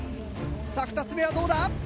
さあ２つ目はどうだ？